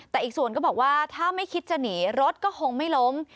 แต่อีกส่วนก็บอกว่าถ้าไม่คิดจะหนีรถก็คงไม่ล้ม